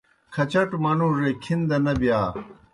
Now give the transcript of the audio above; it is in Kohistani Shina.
کھچٹوْ منُوڙے کِھن دہ نہ بِیا۔